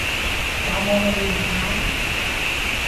有冇去驗下？